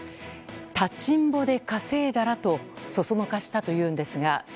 立ちんぼで稼いだらとそそのかしたというんですが。